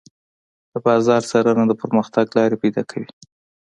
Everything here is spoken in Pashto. د بازار څارنه د پرمختګ لارې پيدا کوي.